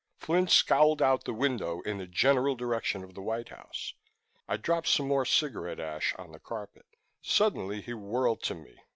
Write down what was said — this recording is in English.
Flynn scowled out the window in the general direction of the White House. I dropped some more cigarette ash on the carpet. Suddenly he whirled to me.